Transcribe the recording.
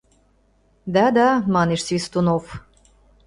— Да-да, — манеш Свистунов.